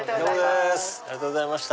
ありがとうございます。